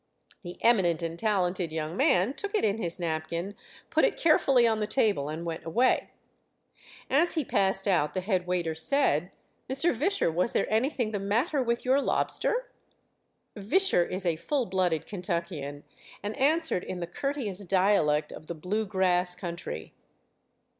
The eminent and talented young man took it in his napkin, put it carefully on the table, and went away. As he passed out, the head waiter said: "Mr. Visscher, was there anything the matter with your lobster?" Visscher is a full blooded Kentuckian, and answered in the courteous dialect of the blue grass country.